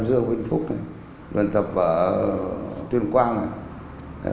bác nhập ngũ ta